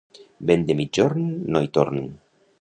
Vent de migjorn, no hi torn.